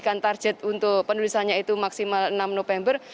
dan target untuk penulisannya itu maksimal enam november